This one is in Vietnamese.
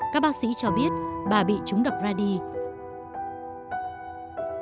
các bác sĩ cho biết bà bị trúng độc radix